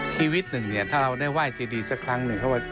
ชีวิตหนึ่งเนี่ยถ้าเราได้ไห้เจดีสักครั้งหนึ่ง